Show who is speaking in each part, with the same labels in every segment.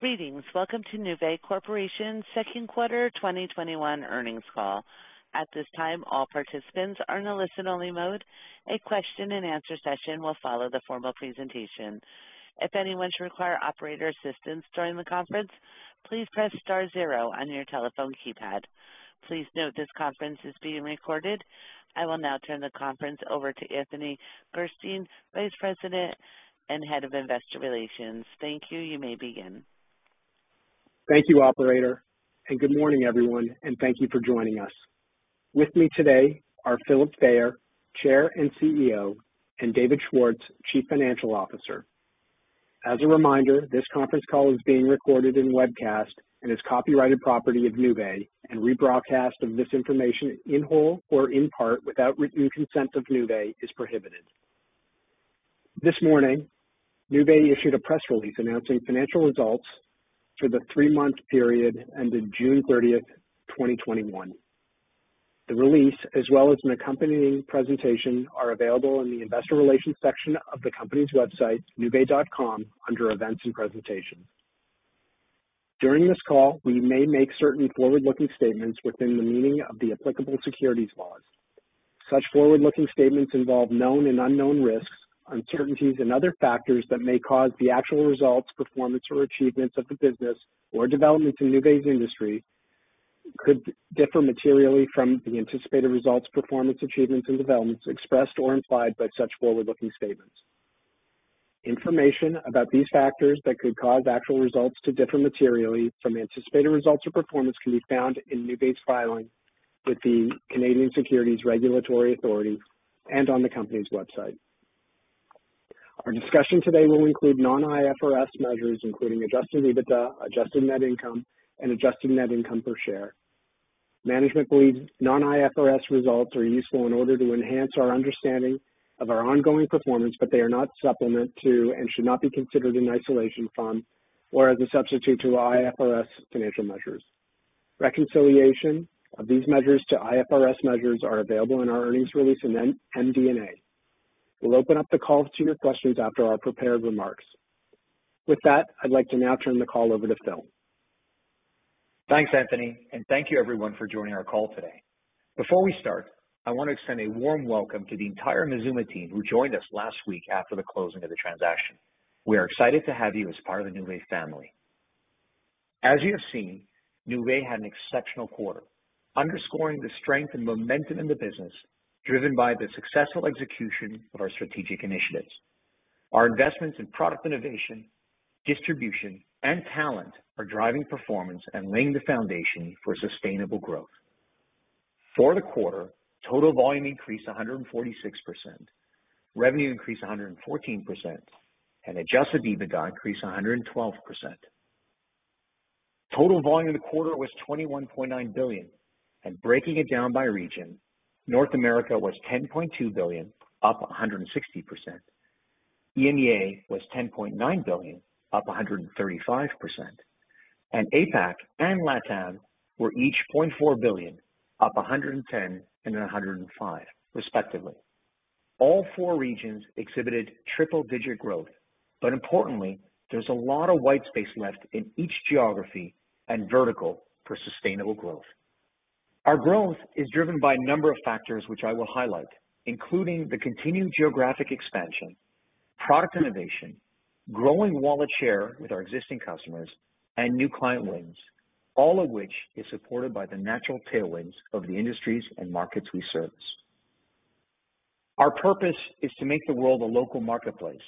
Speaker 1: Greetings. Welcome to Nuvei Corporation's second quarter 2021 earnings call. At this time, all participants are in a listen-only mode. A question and answer session will follow the formal presentation. If anyone should require operator assistance during the conference, please press star zero on your telephone keypad. Please note this conference is being recorded. I will now turn the conference over to Anthony Gerstein, Vice President and Head of Investor Relations. Thank you. You may begin
Speaker 2: Thank you, operator. Good morning, everyone, and thank you for joining us. With me today are Philip Fayer, Chair and Chief Executive Officer, and David Schwartz, Chief Financial Officer. As a reminder, this conference call is being recorded and webcast and is copyrighted property of Nuvei. Rebroadcast of this information in whole or in part without written consent of Nuvei is prohibited. This morning, Nuvei issued a press release announcing financial results for the three month period ended June 30, 2021. The release, as well as an accompanying presentation, are available in the investor relations section of the company's website, nuvei.com, under events and presentations. During this call, we may make certain forward-looking statements within the meaning of the applicable securities laws. Such forward-looking statements involve known and unknown risks, uncertainties and other factors that may cause the actual results, performance or achievements of the business, or developments in Nuvei's industry could differ materially from the anticipated results, performance, achievements and developments expressed or implied by such forward-looking statements. Information about these factors that could cause actual results to differ materially from anticipated results or performance can be found in Nuvei's filing with the Canadian securities regulatory authorities and on the company's website. Our discussion today will include non-IFRS measures, including adjusted EBITDA, adjusted net income, and adjusted net income per share. Management believes non-IFRS results are useful in order to enhance our understanding of our ongoing performance, but they are not supplement to and should not be considered in isolation from or as a substitute to IFRS financial measures. Reconciliation of these measures to IFRS measures are available in our earnings release and MD&A. We'll open up the call to your questions after our prepared remarks. With that, I'd like to now turn the call over to Phil.
Speaker 3: Thanks, Anthony, and thank you everyone for joining our call today. Before we start, I want to extend a warm welcome to the entire Mazooma team who joined us last week after the closing of the transaction. We are excited to have you as part of the Nuvei family. As you have seen, Nuvei had an exceptional quarter, underscoring the strength and momentum in the business, driven by the successful execution of our strategic initiatives. Our investments in product innovation, distribution, and talent are driving performance and laying the foundation for sustainable growth. For the quarter, total volume increased 146%, revenue increased 114%, and adjusted EBITDA increased 112%. Total volume in the quarter was $21.9 billion, and breaking it down by region, North America was $10.2 billion, up 160%. EMEA was $10.9 billion, up 135%, and APAC and LATAM were each $0.4 billion, up 110% and 105% respectively. All four regions exhibited triple-digit growth. Importantly, there's a lot of white space left in each geography and vertical for sustainable growth. Our growth is driven by a number of factors which I will highlight, including the continued geographic expansion, product innovation, growing wallet share with our existing customers, and new client wins, all of which is supported by the natural tailwinds of the industries and markets we service. Our purpose is to make the world a local marketplace,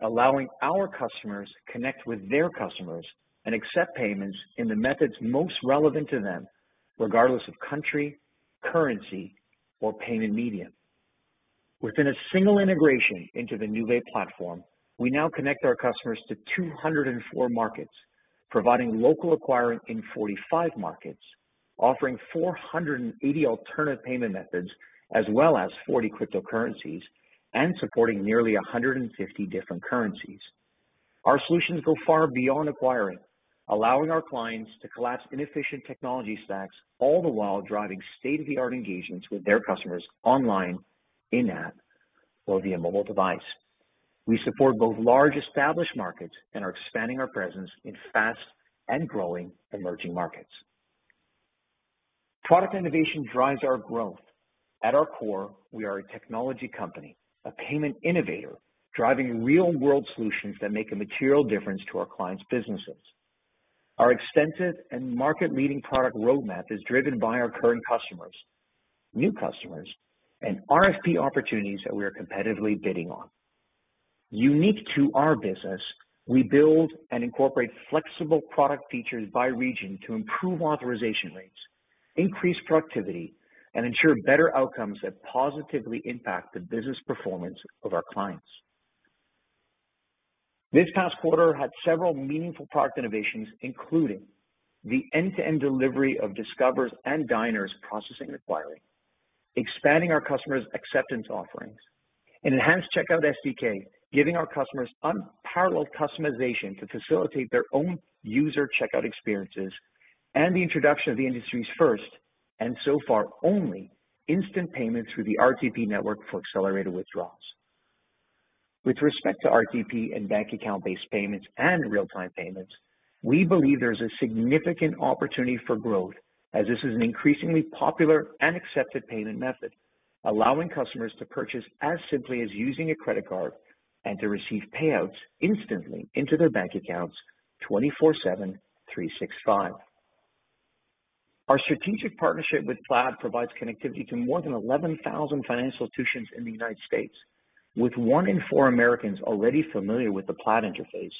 Speaker 3: allowing our customers to connect with their customers and accept payments in the methods most relevant to them, regardless of country, currency or payment medium. Within a one integration into the Nuvei platform, we now connect our customers to 204 markets, providing local acquiring in 45 markets, offering 480 alternative payment methods, as well as 40 cryptocurrencies, and supporting nearly 150 different currencies. Our solutions go far beyond acquiring, allowing our clients to collapse inefficient technology stacks, all the while driving state-of-the-art engagements with their customers online, in-app or via mobile device. We support both large established markets and are expanding our presence in fast and growing emerging markets. Product innovation drives our growth. At our core, we are a technology company, a payment innovator, driving real-world solutions that make a material difference to our clients' businesses. Our extensive and market-leading product roadmap is driven by our current customers, new customers, and RFP opportunities that we are competitively bidding on. Unique to our business, we build and incorporate flexible product features by region to improve authorization rates, increase productivity, and ensure better outcomes that positively impact the business performance of our clients. This past quarter had several meaningful product innovations, including the end-to-end delivery of Discover's and Diners' processing acquiring, expanding our customers' acceptance offerings, an enhanced checkout SDK giving our customers unparalleled customization to facilitate their own user checkout experiences. The introduction of the industry's first, and so far only, instant payments through the RTP network for accelerated withdrawals. With respect to RTP and bank account-based payments and real-time payments, we believe there's a significant opportunity for growth, as this is an increasingly popular and accepted payment method, allowing customers to purchase as simply as using a credit card, and to receive payouts instantly into their bank accounts 24/7, 365. Our strategic partnership with Plaid provides connectivity to more than 11,000 financial institutions in the United States. With one in four Americans already familiar with the Plaid interface,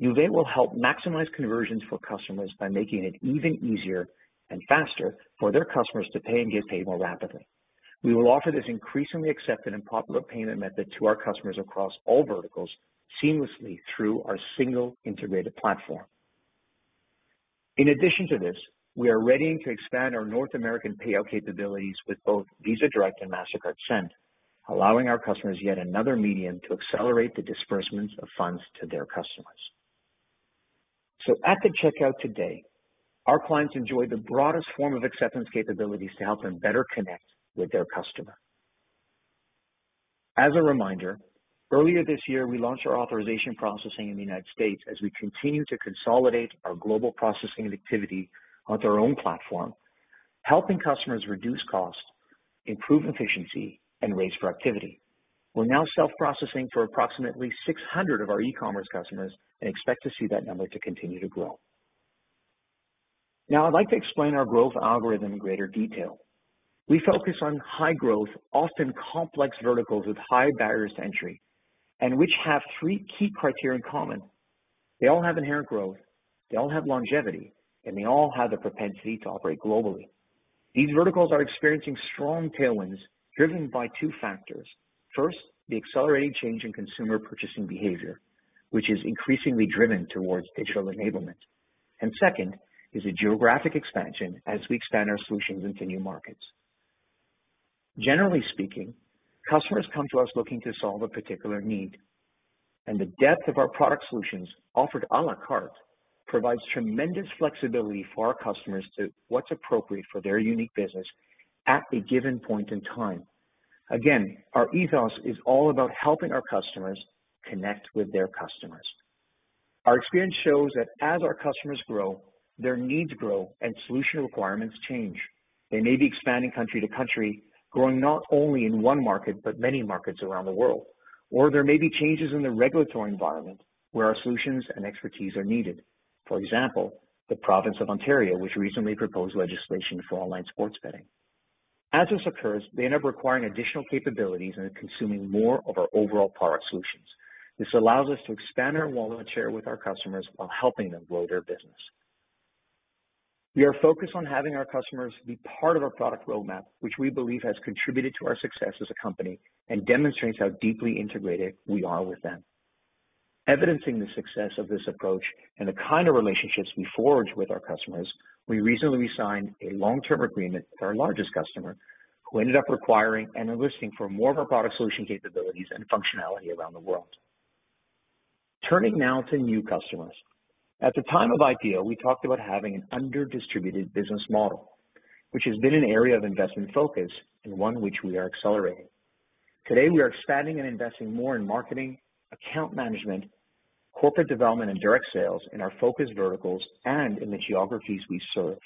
Speaker 3: Nuvei will help maximize conversions for customers by making it even easier and faster for their customers to pay and get paid more rapidly. We will offer this increasingly accepted and popular payment method to our customers across all verticals seamlessly through our single integrated platform. In addition to this, we are readying to expand our North American payout capabilities with both Visa Direct and Mastercard Send, allowing our customers yet another medium to accelerate the disbursements of funds to their customers. At the checkout today, our clients enjoy the broadest form of acceptance capabilities to help them better connect with their customer. As a reminder, earlier this year, we launched our authorization processing in the U.S. as we continue to consolidate our global processing activity onto our own platform, helping customers reduce costs, improve efficiency, and raise productivity. We're now self-processing for approximately 600 of our e-commerce customers and expect to see that number to continue to grow. Now, I'd like to explain our growth algorithm in greater detail. We focus on high growth, often complex verticals with high barriers to entry, which have three key criteria in common. They all have inherent growth, they all have longevity, and they all have the propensity to operate globally. These verticals are experiencing strong tailwinds driven by two factors. First, the accelerating change in consumer purchasing behavior, which is increasingly driven towards digital enablement. Second, is a geographic expansion as we expand our solutions into new markets. Generally speaking, customers come to us looking to solve a particular need, and the depth of our product solutions, offered a la carte, provides tremendous flexibility for our customers to what's appropriate for their unique business at a given point in time. Again, our ethos is all about helping our customers connect with their customers. Our experience shows that as our customers grow, their needs grow and solution requirements change. They may be expanding country to country, growing not only in one market, but many markets around the world. There may be changes in the regulatory environment where our solutions and expertise are needed. For example, the province of Ontario, which recently proposed legislation for online sports betting. As this occurs, they end up requiring additional capabilities and consuming more of our overall product solutions. This allows us to expand our wallet share with our customers while helping them grow their business. We are focused on having our customers be part of our product roadmap, which we believe has contributed to our success as a company and demonstrates how deeply integrated we are with them. Evidencing the success of this approach and the kind of relationships we forge with our customers, we recently signed a long-term agreement with our largest customer, who ended up requiring and enlisting for more of our product solution capabilities and functionality around the world. Turning now to new customers. At the time of IPO, we talked about having an under-distributed business model, which has been an area of investment focus and one which we are accelerating. Today, we are expanding and investing more in marketing, account management, corporate development, and direct sales in our focus verticals and in the geographies we serve.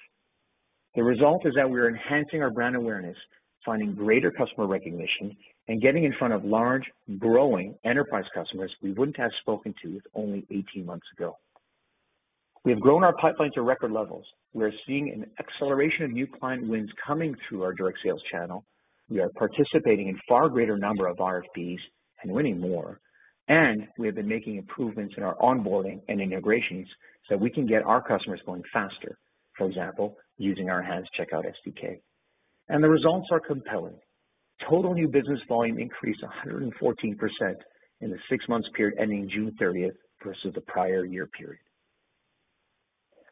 Speaker 3: The result is that we're enhancing our brand awareness, finding greater customer recognition, and getting in front of large, growing enterprise customers we wouldn't have spoken to if only 18 months ago. We have grown our pipeline to record levels. We are seeing an acceleration of new client wins coming through our direct sales channel. We are participating in far greater number of RFPs and winning more, and we have been making improvements in our onboarding and integrations so we can get our customers going faster. For example, using our hands checkout SDK. The results are compelling. Total new business volume increased 114% in the six months period ending June 30th versus the prior year period.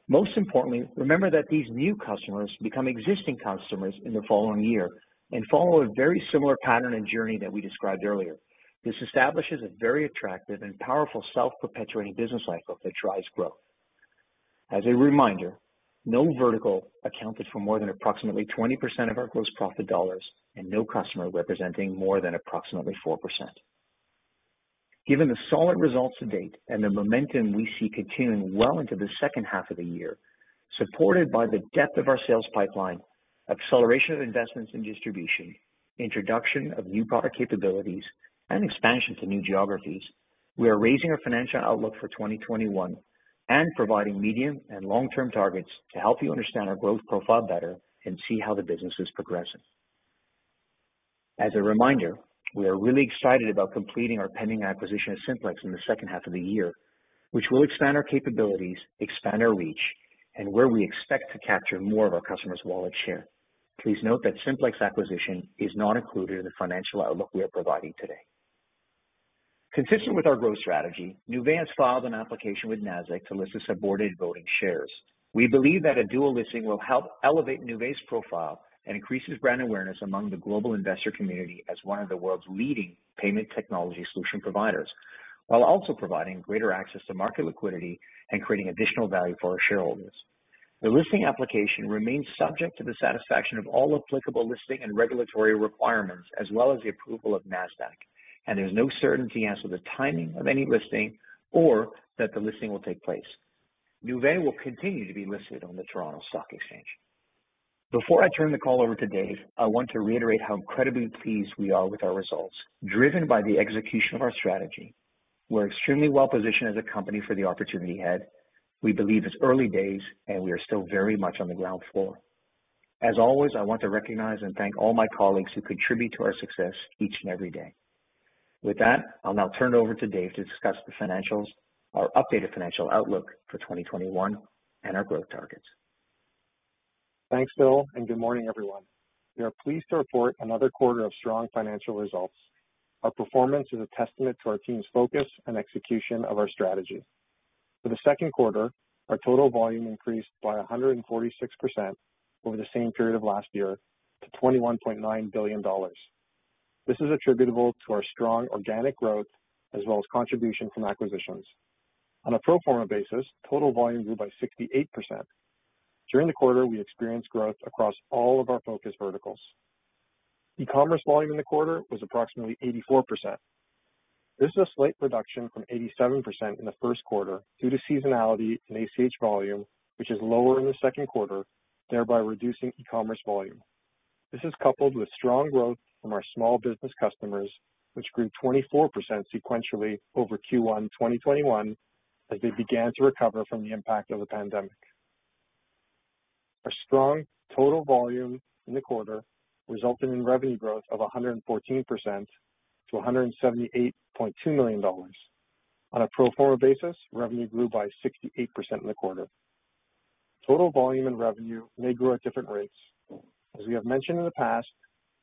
Speaker 3: Most importantly, remember that these new customers become existing customers in the following year and follow a very similar pattern and journey that we described earlier. This establishes a very attractive and powerful self-perpetuating business cycle that drives growth. As a reminder, no vertical accounted for more than approximately 20% of our gross profit dollars, and no customer representing more than approximately 4%. Given the solid results to date and the momentum we see continuing well into the second half of the year, supported by the depth of our sales pipeline, acceleration of investments in distribution, introduction of new product capabilities, and expansion to new geographies, we are raising our financial outlook for 2021 and providing medium and long-term targets to help you understand our growth profile better and see how the business is progressing. As a reminder, we are really excited about completing our pending acquisition of Simplex in the second half of the year, which will expand our capabilities, expand our reach, and where we expect to capture more of our customers' wallet share. Please note that Simplex acquisition is not included in the financial outlook we are providing today. Consistent with our growth strategy, Nuvei has filed an application with Nasdaq to list its subordinate voting shares. We believe that a dual listing will help elevate Nuvei's profile and increases brand awareness among the global investor community as one of the world's leading payment technology solution providers. While also providing greater access to market liquidity and creating additional value for our shareholders. The listing application remains subject to the satisfaction of all applicable listing and regulatory requirements, as well as the approval of Nasdaq. There's no certainty as to the timing of any listing or that the listing will take place. Nuvei will continue to be listed on the Toronto Stock Exchange. Before I turn the call over to Dave, I want to reiterate how incredibly pleased we are with our results, driven by the execution of our strategy. We're extremely well-positioned as a company for the opportunity ahead. We believe it's early days. We are still very much on the ground floor. As always, I want to recognize and thank all my colleagues who contribute to our success each and every day. With that, I'll now turn it over to Dave to discuss the financials, our updated financial outlook for 2021, and our growth targets.
Speaker 4: Thanks, Philip, good morning, everyone. We are pleased to report another quarter of strong financial results. Our performance is a testament to our team's focus and execution of our strategy. For the second quarter, our total volume increased by 146% over the same period of last year to $21.9 billion. This is attributable to our strong organic growth as well as contribution from acquisitions. On a pro forma basis, total volume grew by 68%. During the quarter, we experienced growth across all of our focus verticals. e-commerce volume in the quarter was approximately 84%. This is a slight reduction from 87% in the first quarter due to seasonality in ACH volume, which is lower in the second quarter, thereby reducing e-commerce volume. This is coupled with strong growth from our small business customers, which grew 24% sequentially over Q1 2021 as they began to recover from the impact of the pandemic. Our strong total volume in the quarter resulted in revenue growth of 114% to $178.2 million. On a pro forma basis, revenue grew by 68% in the quarter. Total volume and revenue may grow at different rates. As we have mentioned in the past,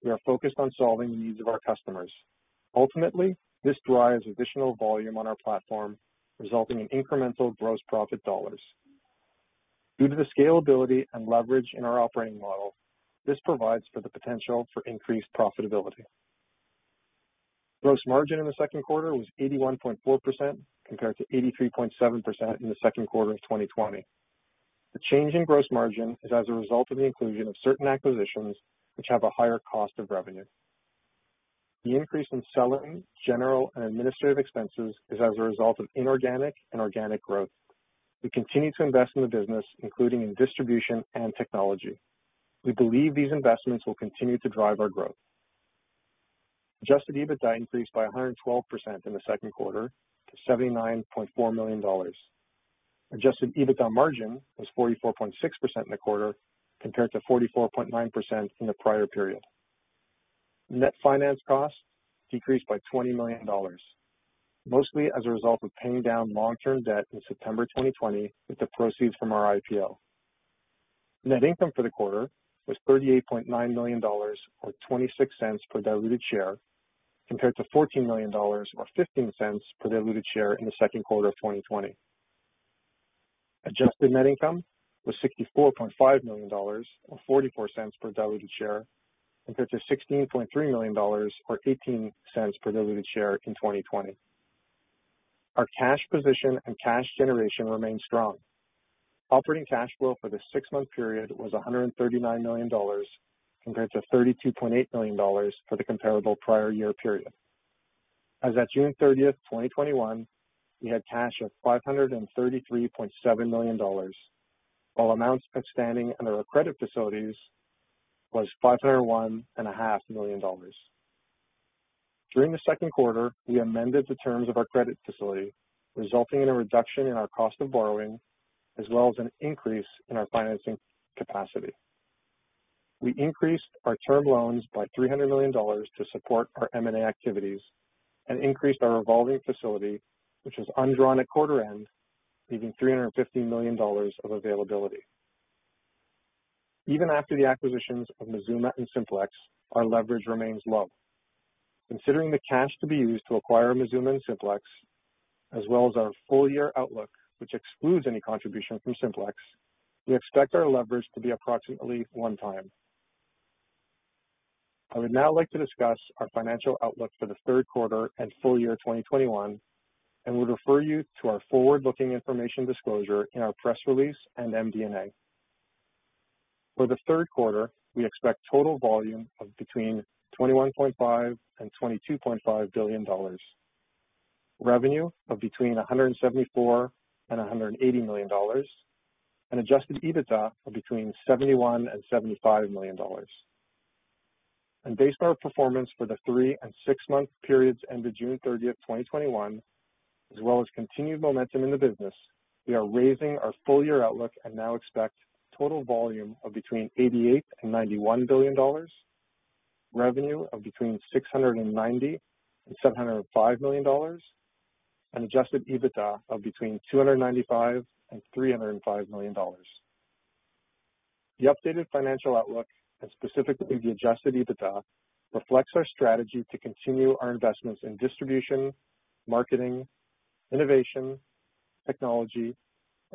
Speaker 4: we are focused on solving the needs of our customers. Ultimately, this drives additional volume on our platform, resulting in incremental gross profit dollars. Due to the scalability and leverage in our operating model, this provides for the potential for increased profitability. Gross margin in the second quarter was 81.4%, compared to 83.7% in the second quarter of 2020. The change in gross margin is as a result of the inclusion of certain acquisitions which have a higher cost of revenue. The increase in selling, general, and administrative expenses is as a result of inorganic and organic growth. We continue to invest in the business, including in distribution and technology. We believe these investments will continue to drive our growth. Adjusted EBITDA increased by 112% in the second quarter to 79.4 million dollars. Adjusted EBITDA margin was 44.6% in the quarter, compared to 44.9% in the prior period. Net finance costs decreased by 20 million dollars, mostly as a result of paying down long-term debt in September 2020 with the proceeds from our IPO. Net income for the quarter was 38.9 million dollars, or 0.26 per diluted share, compared to 14 million dollars, or 0.15 per diluted share in the second quarter of 2020. Adjusted net income was 64.5 million dollars, or 0.44 per diluted share, compared to 16.3 million dollars, or 0.18 per diluted share in 2020. Our cash position and cash generation remain strong. Operating cash flow for the six-month period was 139 million dollars, compared to 32.8 million dollars for the comparable prior year period. As at June 30th, 2021, we had cash of 533.7 million dollars. All amounts outstanding under our credit facilities was 501.5 million dollars. During the second quarter, we amended the terms of our credit facility, resulting in a reduction in our cost of borrowing as well as an increase in our financing capacity. We increased our term loans by 300 million dollars to support our M&A activities and increased our revolving facility, which was undrawn at quarter end, leaving 350 million dollars of availability. Even after the acquisitions of Mazooma and Simplex, our leverage remains low. Considering the cash to be used to acquire Mazooma and Simplex, as well as our full-year outlook, which excludes any contribution from Simplex, we expect our leverage to be approximately one time. I would now like to discuss our financial outlook for the third quarter and full year 2021 and would refer you to our forward-looking information disclosure in our press release and MD&A. For the third quarter, we expect total volume of between 21.5 billion and 22.5 billion dollars, revenue of between 174 million and 180 million dollars, and adjusted EBITDA of between 71 million and 75 million dollars. Based on our performance for the three and six-month periods ended June 30th, 2021, as well as continued momentum in the business, we are raising our full-year outlook and now expect total volume of between 88 billion and 91 billion dollars, revenue of between 690 million dollars and CAD 705 million, and adjusted EBITDA of between 295 million and 305 million dollars. The updated financial outlook, and specifically the adjusted EBITDA, reflects our strategy to continue our investments in distribution, marketing, innovation, technology,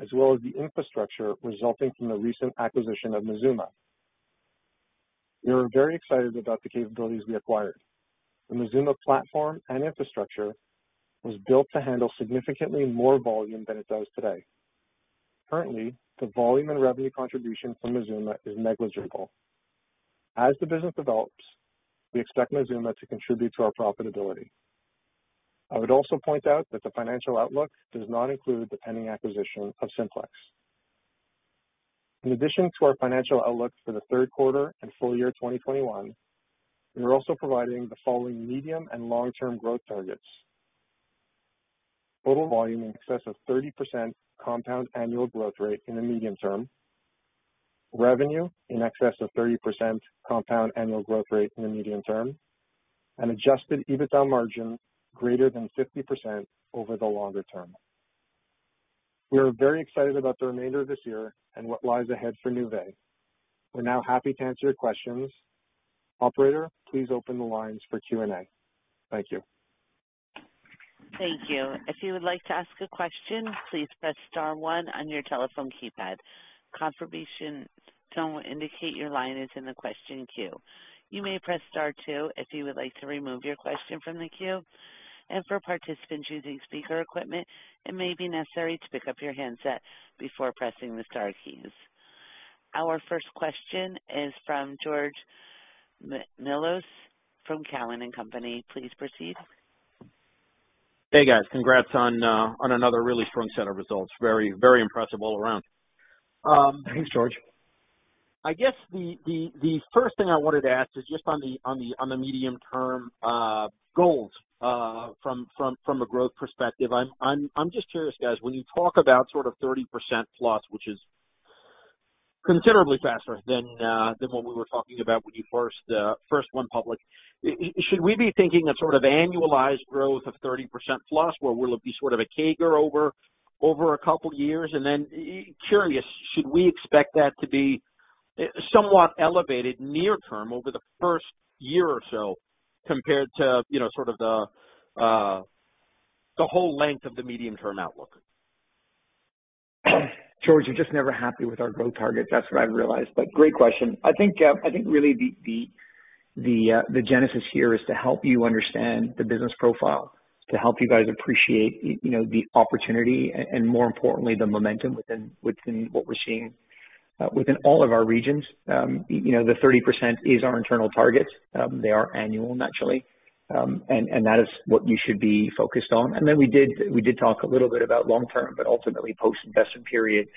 Speaker 4: as well as the infrastructure resulting from the recent acquisition of Mazooma. We are very excited about the capabilities we acquired. The Mazooma platform and infrastructure was built to handle significantly more volume than it does today. Currently, the volume and revenue contribution from Mazooma is negligible. As the business develops, we expect Mazooma to contribute to our profitability. I would also point out that the financial outlook does not include the pending acquisition of Simplex. In addition to our financial outlook for the third quarter and full year 2021, we are also providing the following medium and long-term growth targets. Total volume in excess of 30% compound annual growth rate in the medium term, revenue in excess of 30% compound annual growth rate in the medium term, and adjusted EBITDA margin greater than 50% over the longer term. We are very excited about the remainder of this year and what lies ahead for Nuvei. We're now happy to answer your questions.
Speaker 3: Operator, please open the lines for Q&A. Thank you.
Speaker 1: Our first question is from George Mihalos from Cowen and Company. Please proceed.
Speaker 5: Hey, guys. Congrats on another really strong set of results. Very impressive all around.
Speaker 3: Thanks, George.
Speaker 5: I guess the first thing I wanted to ask is just on the medium-term goals from a growth perspective. I'm just curious, guys, when you talk about sort of 30%+, which is considerably faster than what we were talking about when you first went public, should we be thinking a sort of annualized growth of 30%+, or will it be sort of a CAGR over two years? Curious, should we expect that to be somewhat elevated near term over the first year or so compared to sort of the whole length of the medium-term outlook?
Speaker 3: George, you're just never happy with our growth targets, that's what I've realized. Great question. I think really the genesis here is to help you understand the business profile, to help you guys appreciate the opportunity, and more importantly, the momentum within what we're seeing within all of our regions. The 30% is our internal target. They are annual, naturally. That is what you should be focused on. Then we did talk a little bit about long term, but ultimately post-investment period,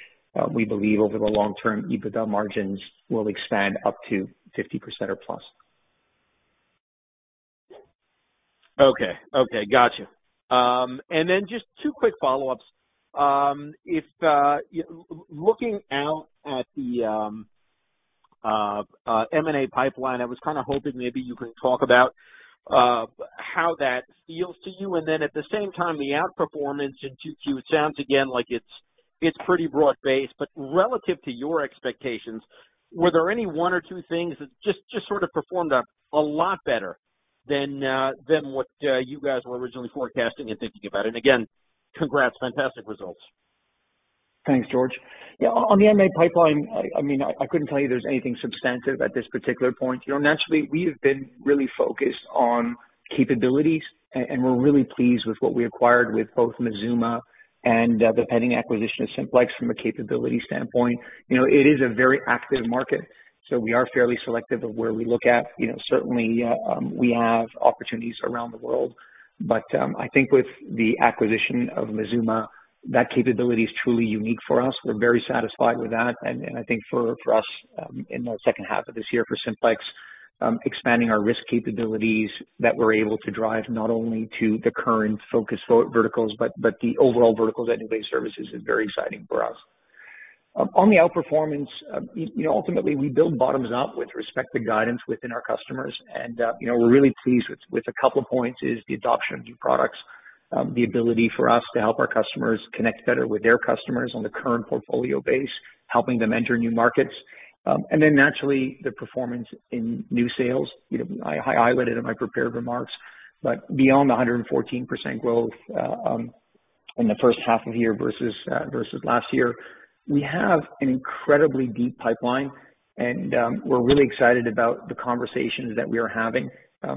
Speaker 3: we believe over the long term, EBITDA margins will expand up to 50% or plus.
Speaker 5: Okay. Got you. Just two quick follow-ups. Looking out at the M&A pipeline, I was kind of hoping maybe you could talk about how that feels to you, and then at the same time, the outperformance in 2Q, it sounds again like it's pretty broad-based. Relative to your expectations, were there any one or two things that just sort of performed a lot better than what you guys were originally forecasting and thinking about? Again, congrats. Fantastic results.
Speaker 3: Thanks, George. On the M&A pipeline, I couldn't tell you there's anything substantive at this particular point. Naturally, we have been really focused on capabilities, and we're really pleased with what we acquired with both Mazooma and the pending acquisition of Simplex from a capability standpoint. It is a very active market. We are fairly selective of where we look at. Certainly, we have opportunities around the world. I think with the acquisition of Mazooma, that capability is truly unique for us. We're very satisfied with that. I think for us in the second half of this year for Simplex, expanding our risk capabilities that we're able to drive not only to the current focus verticals but the overall verticals at Nuvei services is very exciting for us. On the outperformance, ultimately we build bottoms up with respected guidance within our customers, and we're really pleased with a couple of points is the adoption of new products, the ability for us to help our customers connect better with their customers on the current portfolio base, helping them enter new markets. Naturally, the performance in new sales. I highlighted in my prepared remarks. Beyond the 114% growth in the first half of the year versus last year, we have an incredibly deep pipeline, and we're really excited about the conversations that we are having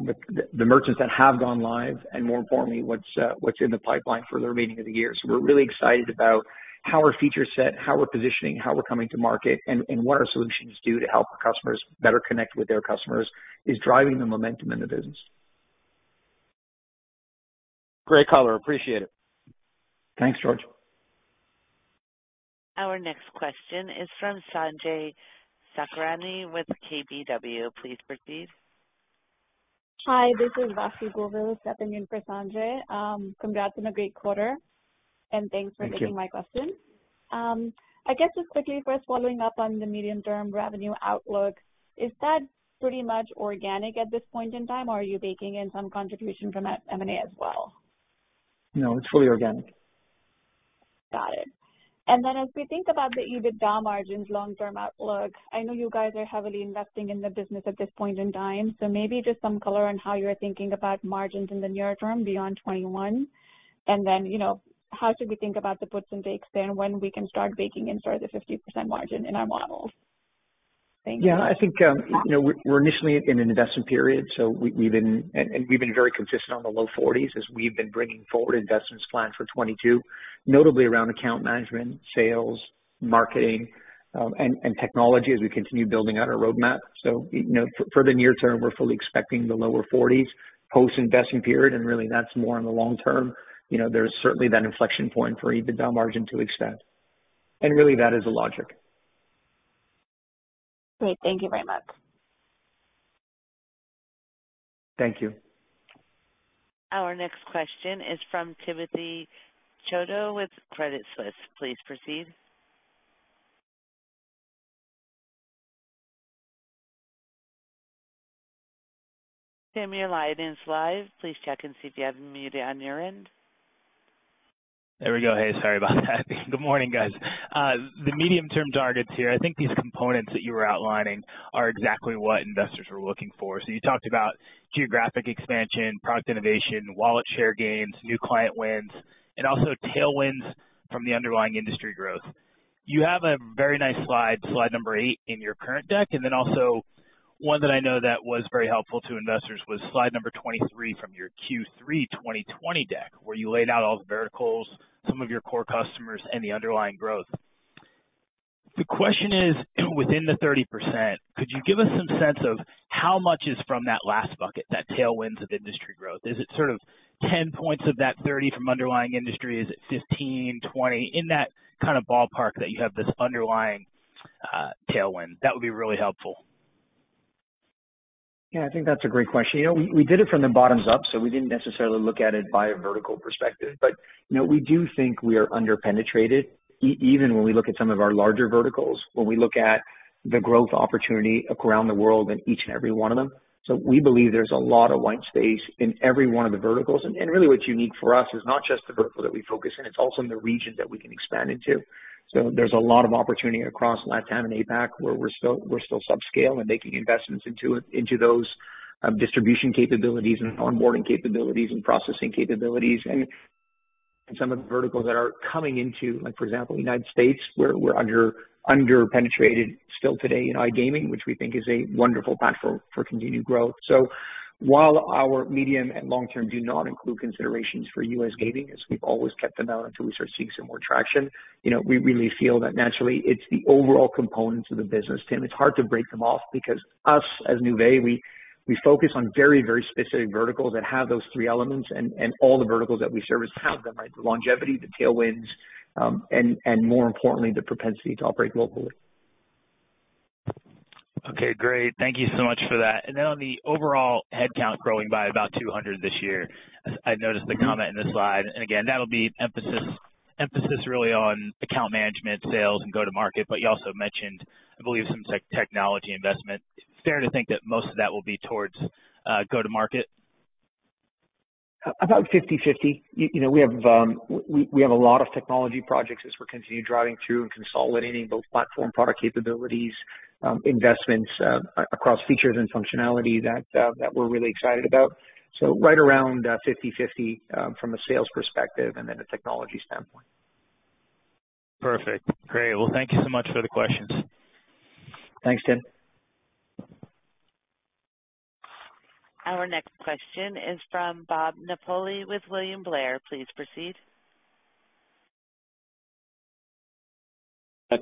Speaker 3: with the merchants that have gone live and, more importantly, what's in the pipeline for the remaining of the year. We're really excited about how our feature set, how we're positioning, how we're coming to market, and what our solutions do to help our customers better connect with their customers is driving the momentum in the business.
Speaker 5: Great color. Appreciate it.
Speaker 3: Thanks, George.
Speaker 1: Our next question is from Sanjay Sakhrani with KBW. Please proceed.
Speaker 6: Hi, this is Vasundhara Govil stepping in for Sanjay. Congrats on a great quarter, and thanks.
Speaker 3: Thank you.
Speaker 6: Taking my question. I guess just quickly first following up on the medium-term revenue outlook, is that pretty much organic at this point in time, or are you baking in some contribution from M&A as well?
Speaker 3: No, it's fully organic.
Speaker 6: Got it. As we think about the EBITDA margins long-term outlook, I know you guys are heavily investing in the business at this point in time. Maybe just some color on how you're thinking about margins in the near-term beyond 2021, how should we think about the puts and takes there, and when we can start baking in sort of the 50% margin in our models?
Speaker 3: I think we're initially in an investment period, and we've been very consistent on the low 40s as we've been bringing forward investments planned for 2022, notably around account management, sales, marketing, and technology as we continue building out our roadmap. For the near term, we're fully expecting the lower 40s post-investment period, and really that's more on the long term. There's certainly that inflection point for EBITDA margin to expand. Really that is the logic.
Speaker 6: Great. Thank you very much.
Speaker 3: Thank you.
Speaker 1: Our next question is from Timothy Chiodo with Credit Suisse. Please proceed. Tim, your line is live. Please check and see if you have mute on your end.
Speaker 7: There we go. Hey, sorry about that. Good morning, guys. The medium-term targets here, I think these components that you were outlining are exactly what investors were looking for. You talked about geographic expansion, product innovation, wallet share gains, new client wins, and also tailwinds from the underlying industry growth. You have a very nice slide number eight in your current deck, and then also one that I know that was very helpful to investors was slide number 23 from your Q3 2020 deck, where you laid out all the verticals, some of your core customers, and the underlying growth. The question is, within the 30%, could you give us some sense of how much is from that last bucket, that tailwinds of industry growth? Is it sort of 10 points of that 30 points from underlying industry? Is it 15 points, 20 points? In that kind of ballpark that you have this underlying tailwind. That would be really helpful.
Speaker 3: Yeah, I think that's a great question. We did it from the bottoms up, so we didn't necessarily look at it by a vertical perspective. We do think we are under-penetrated, even when we look at some of our larger verticals, when we look at the growth opportunity around the world in each and every one of them. We believe there's a lot of white space in every one of the verticals. Really what's unique for us is not just the vertical that we focus in, it's also in the region that we can expand into. There's a lot of opportunity across LatAm and APAC where we're still subscale and making investments into those distribution capabilities and onboarding capabilities and processing capabilities. Some of the verticals that are coming into, like for example, U.S., we're under-penetrated still today in iGaming, which we think is a wonderful path for continued growth. While our medium and long term do not include considerations for US gaming, as we've always kept them out until we start seeing some more traction. We really feel that naturally it's the overall components of the business, Tim. It's hard to break them off because us, as Nuvei, we focus on very specific verticals that have those three elements, and all the verticals that we service have them, right? The longevity, the tailwinds, and more importantly, the propensity to operate locally.
Speaker 7: Okay, great. Thank you so much for that. On the overall headcount growing by about 200 this year, I noticed the comment in the slide, and again, that'll be emphasis really on account management, sales, and go-to-market, but you also mentioned, I believe, some technology investment. Fair to think that most of that will be towards go-to-market?
Speaker 3: About 50/50. We have a lot of technology projects as we continue driving through and consolidating both platform product capabilities, investments across features and functionality that we're really excited about. Right around 50/50 from a sales perspective and then a technology standpoint.
Speaker 7: Perfect. Great. Well, thank you so much for the questions.
Speaker 3: Thanks, Tim.
Speaker 1: Our next question is from Bob Napoli with William Blair. Please proceed.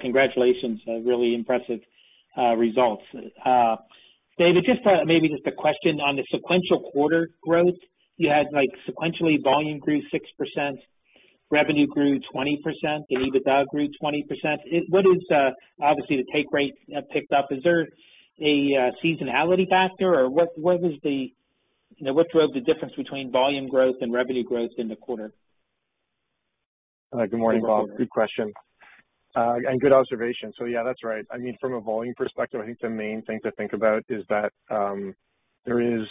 Speaker 8: Congratulations. Really impressive results. David, maybe just a question on the sequential quarter growth. You had sequentially volume grew 6%, revenue grew 20%, the EBITDA grew 20%. Obviously, the take rate picked up. Is there a seasonality factor? What drove the difference between volume growth and revenue growth in the quarter?
Speaker 4: Good morning, Bob. Good question. Good observation. Yeah, that's right. From a volume perspective, I think the main thing to think about is that there is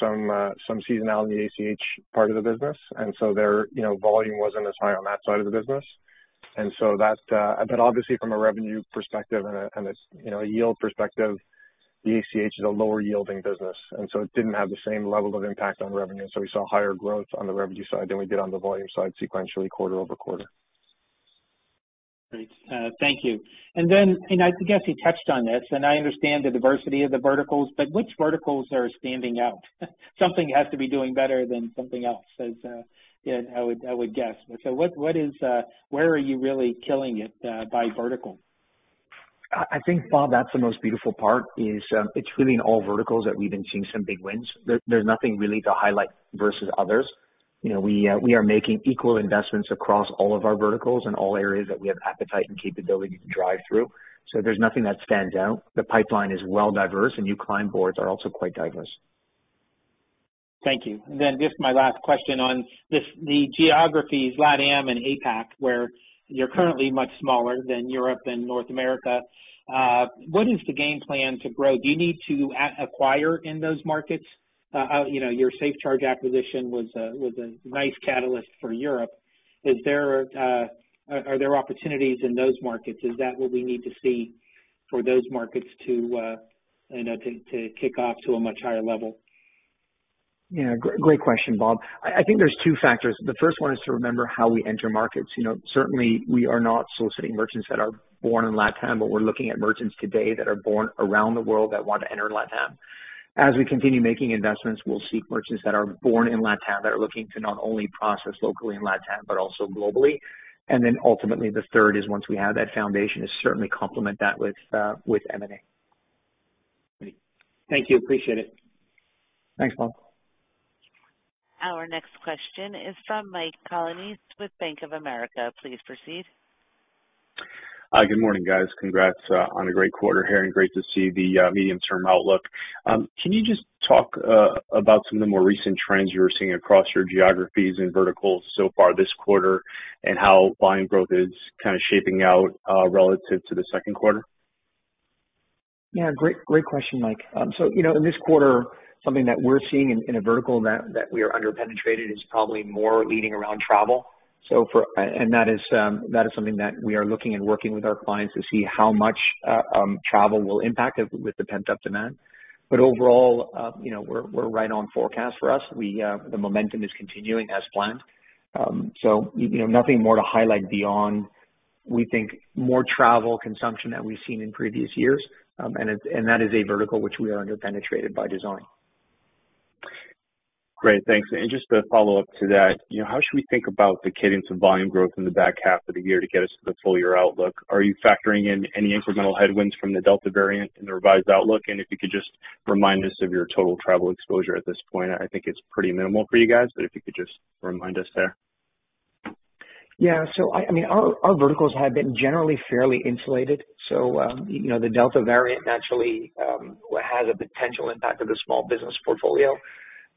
Speaker 4: some seasonality in the ACH part of the business. Their volume wasn't as high on that one side of the business. Obviously from a revenue perspective and a yield perspective, the ACH is a lower-yielding business. It didn't have the same level of impact on revenue. We saw higher growth on the revenue side than we did on the volume side sequentially quarter-over-quarter.
Speaker 8: Great. Thank you. I guess you touched on this, and I understand the diversity of the verticals. Which verticals are standing out? Something has to be doing better than something else, I would guess. Where are you really killing it by vertical?
Speaker 3: I think, Bob, that's the most beautiful part is it's really in all verticals that we've been seeing some big wins. There's nothing really to highlight versus others. We are making equal investments across all of our verticals and all areas that we have appetite and capability to drive through. There's nothing that stands out. The pipeline is well-diverse, and new client boards are also quite diverse.
Speaker 8: Thank you. Just my last question on the geographies LatAm and APAC, where you're currently much smaller than Europe and North America. What is the game plan to grow? Do you need to acquire in those markets? Your SafeCharge acquisition was a nice catalyst for Europe. Are there opportunities in those markets? Is that what we need to see for those markets to kick off to a much higher level?
Speaker 3: Yeah. Great question, Bob. I think there's two factors. The first one is to remember how we enter markets. Certainly, we are not soliciting merchants that are born in LatAm, but we're looking at merchants today that are born around the world that want to enter LatAm. As we continue making investments, we'll seek merchants that are born in LatAm that are looking to not only process locally in LatAm but also globally. Ultimately, the third is once we have that foundation, is certainly complement that with M&A.
Speaker 8: Great. Thank you. Appreciate it.
Speaker 3: Thanks, Bob.
Speaker 1: Our next question is from Mike Colonnese with Bank of America. Please proceed.
Speaker 9: Hi. Good morning, guys. Congrats on a great quarter here and great to see the medium-term outlook. Can you just talk about some of the more recent trends you're seeing across your geographies and verticals so far this quarter and how volume growth is kind of shaping out relative to the second quarter?
Speaker 3: Yeah. Great question, Mike. In this quarter, something that we're seeing in a vertical that we are under-penetrated is probably more leading around travel. That is something that we are looking and working with our clients to see how much travel will impact with the pent-up demand. Overall, we're right on forecast for us. The momentum is continuing as planned. Nothing more to highlight beyond, we think, more travel consumption than we've seen in previous years. That is a vertical which we are under-penetrated by design.
Speaker 9: Great. Thanks. Just to follow up to that, how should we think about the cadence of volume growth in the back half of the year to get us to the full-year outlook? Are you factoring in any incremental headwinds from the Delta variant in the revised outlook? If you could just remind us of your total travel exposure at this point, I think it's pretty minimal for you guys, but if you could just remind us there.
Speaker 3: Yeah. Our verticals have been generally fairly insulated. The Delta variant naturally has a potential impact on the small business portfolio.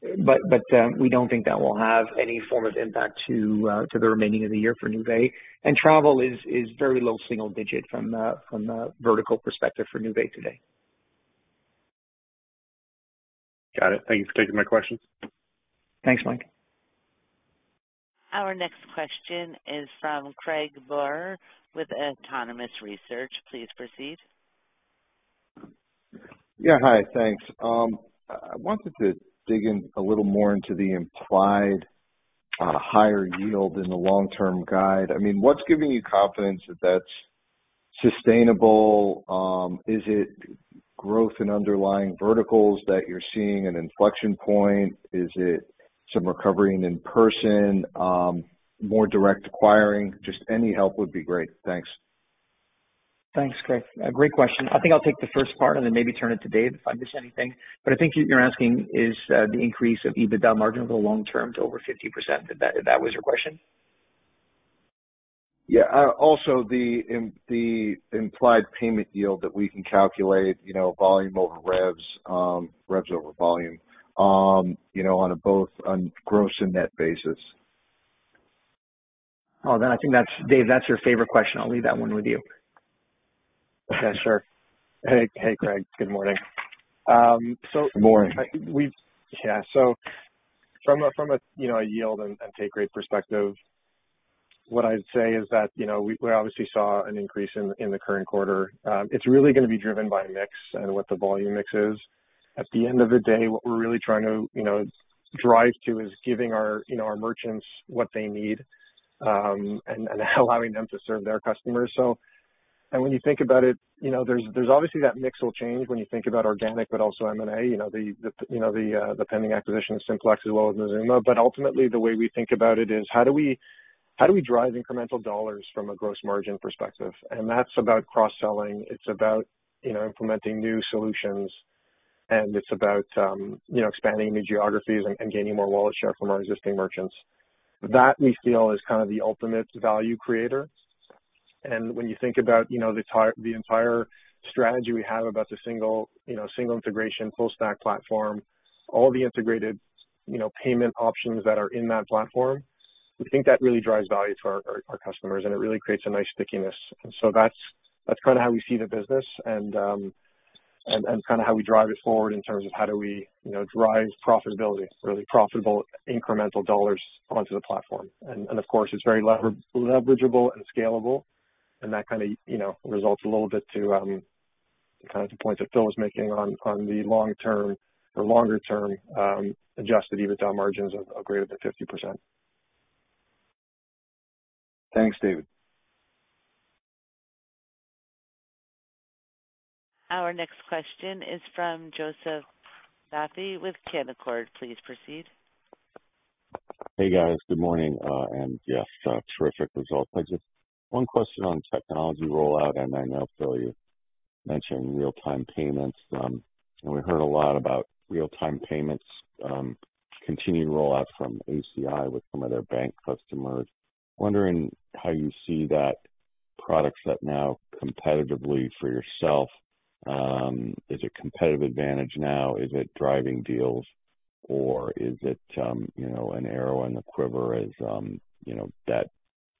Speaker 3: We don't think that will have any form of impact to the remaining of the year for Nuvei. Travel is very low single digit from a vertical perspective for Nuvei today.
Speaker 9: Got it. Thank you for taking my questions.
Speaker 3: Thanks, Mike.
Speaker 1: Our next question is from Craig Maurer with Autonomous Research. Please proceed.
Speaker 10: Yeah. Hi. Thanks. I wanted to dig in a little more into the implied higher yield in the long-term guide. What's giving you confidence that that's sustainable? Is it growth in underlying verticals that you're seeing an inflection point? Is it some recovering in person? More direct acquiring? Just any help would be great. Thanks.
Speaker 3: Thanks, Craig. Great question. I think I'll take the first part and then maybe turn it to Dave if I miss anything. I think you're asking is the increase of EBITDA margin over long term to over 50%, if that was your question?
Speaker 10: Yeah. The implied payment yield that we can calculate, volume over revs over volume on both gross and net basis.
Speaker 3: Oh, I think, Dave, that's your favorite question. I'll leave that one with you.
Speaker 4: Okay, sure. Hey, Craig. Good morning.
Speaker 10: Good morning.
Speaker 4: Yeah. From a yield and take rate perspective, what I'd say is that we obviously saw an increase in the current quarter. It's really going to be driven by mix and what the volume mix is. At the end of the day, what we're really trying to drive to is giving our merchants what they need and allowing them to serve their customers. When you think about it, there's obviously that mix will change when you think about organic, but also M&A, the pending acquisition of Simplex as well as Mazooma. Ultimately, the way we think about it is how do we drive incremental dollars from a gross margin perspective? That's about cross-selling. It's about implementing new solutions, and it's about expanding new geographies and gaining more wallet share from our existing merchants. That we feel is kind of the ultimate value creator. When you think about the entire strategy we have about the single integration, full stack platform, all the integrated payment options that are in that platform, we think that really drives value to our customers, and it really creates a nice stickiness. That's kind of how we see the business and kind of how we drive it forward in terms of how do we drive profitability, really profitable incremental dollars onto the platform. Of course, it's very leverageable and scalable, and that kind of results a little bit to the points that Philip was making on the longer-term adjusted EBITDA margins of greater than 50%.
Speaker 10: Thanks, David.
Speaker 1: Our next question is from Joseph Vafi with Canaccord. Please proceed.
Speaker 11: Hey, guys. Good morning. Yes, terrific results. I just one question on technology rollout. I know, Phil, you mentioned real-time payments. We heard a lot about real-time payments continued rollout from ACI with some of their bank customers. Wondering how you see that product set now competitively for yourself. Is it competitive advantage now? Is it driving deals or is it an arrow in the quiver as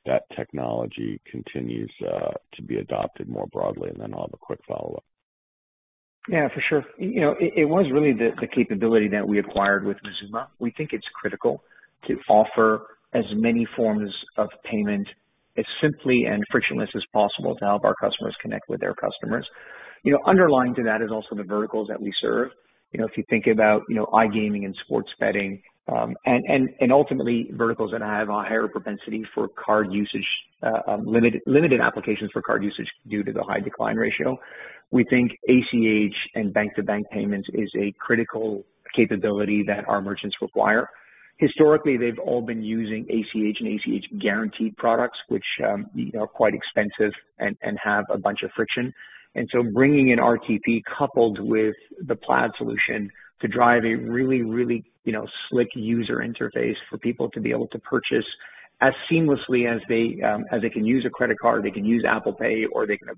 Speaker 11: that technology continues to be adopted more broadly? I'll have a quick follow-up.
Speaker 3: For sure. It was really the capability that we acquired with Mazooma. We think it's critical to offer as many forms of payment as simply and frictionless as possible to help our customers connect with their customers. Underlying to that is also the verticals that we serve. If you think about iGaming and sports betting, and ultimately verticals that have a higher propensity for limited applications for card usage due to the high decline ratio, we think ACH and bank-to-bank payments is a critical capability that our merchants require. Historically, they've all been using ACH and ACH Guaranteed products, which are quite expensive and have a bunch of friction. Bringing in RTP coupled with the Plaid solution to drive a really slick user interface for people to be able to purchase as seamlessly as they can use a credit card, they can use Apple Pay, or they can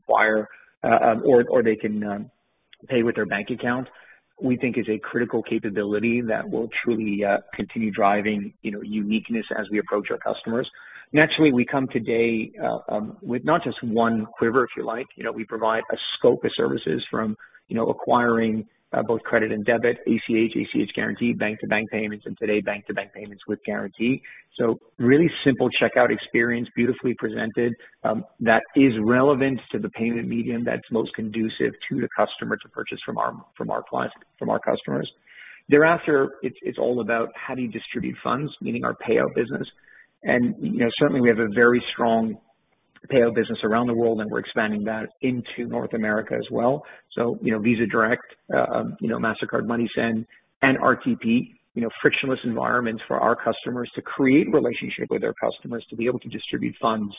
Speaker 3: pay with their bank account, we think is a critical capability that will truly continue driving uniqueness as we approach our customers. Naturally, we come today with not just one quiver, if you like. We provide a scope of services from acquiring both credit and debit, ACH Guaranteed, bank-to-bank payments, and today, bank-to-bank payments with guarantee. Really simple checkout experience, beautifully presented, that is relevant to the payment medium that's most conducive to the customer to purchase from our customers. Thereafter, it's all about how do you distribute funds, meaning our payout business. Certainly we have a very strong payout business around the world, and we're expanding that into North America as well. Visa Direct, Mastercard Send, and RTP, frictionless environments for our customers to create relationship with their customers, to be able to distribute funds